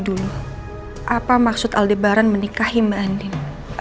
dulu apa maksud aldebaran menikahi mbak andin